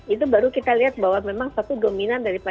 itu baru kita lihat bahwa memang satu dominan daripada